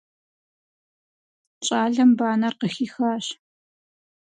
Щӏалэм банэр къыхихащ.